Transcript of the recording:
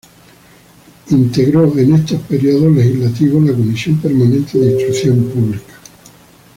Integró en estos períodos legislativos la Comisión permanente de Instrucción Pública.